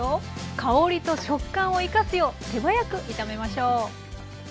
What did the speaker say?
香りと食感を生かすよう手早く炒めましょう。